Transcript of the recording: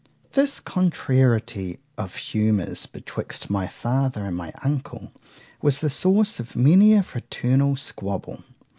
This contrariety of humours betwixt my father and my uncle, was the source of many a fraternal squabble.